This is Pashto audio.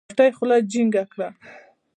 غوټۍ خوله جينګه کړه.